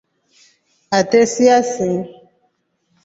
Ate siasii.